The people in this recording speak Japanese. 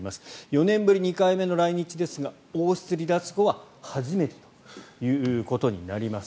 ４年ぶり２回目の来日ですが王室離脱後は初めてということになります。